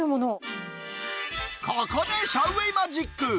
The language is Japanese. ここでシャウ・ウェイマジック。